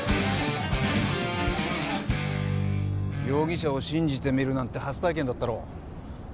容疑者を信じてみるなんて初体験だったろ？